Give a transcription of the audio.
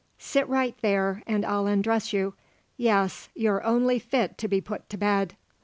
Sit right there and I'll undress you. Yes; you're only fit to be put to bed."